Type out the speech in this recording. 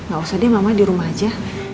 gak usah dia mama di rumah aja